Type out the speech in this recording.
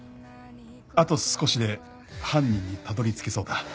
「あと少しで犯人にたどり着けそうだ」